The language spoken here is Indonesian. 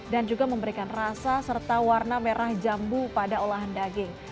juga memberikan rasa serta warna merah jambu pada olahan daging